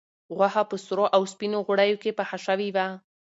غوښه په سرو او سپینو غوړیو کې پخه شوې وه.